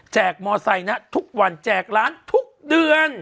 กมอไซค์นะทุกวันแจกร้านทุกเดือน